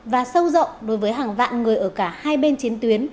và sâu rộng đối với hàng vạn người ở cả hai bên chiến tuyến